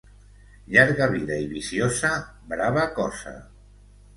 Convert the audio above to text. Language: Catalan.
Llarga vida i viciosa, brava cosa.